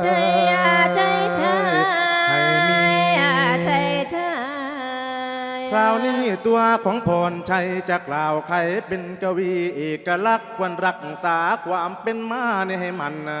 ให้มีคราวนี้ตัวของพรชัยจะกล่าวใครเป็นเกวีเอกลักษณ์ควรรักษาความเป็นมานี่ให้มันน่ะ